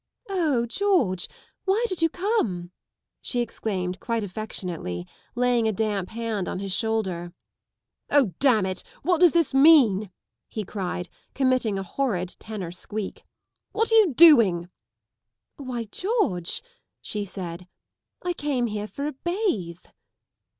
" O George, why did you come! " she exclaimed quite affectionately, laying a damp hand on his shoulder. " O damn it, what does this meant " he cried, committing a horrid tenor squeak. " What are you doing? "" Why, George," she said," " I came here for a bathe."